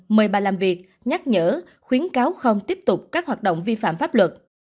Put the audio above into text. mời bà làm việc nhắc nhở khuyến cáo không tiếp tục các hoạt động vi phạm pháp luật